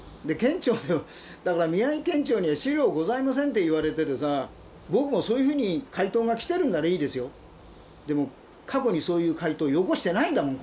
だから宮城県庁には資料ございませんって言われててさ僕もそういうふうに回答が来てるんならいいですよ。でも過去にそういう回答をよこしてないんだもんこれ。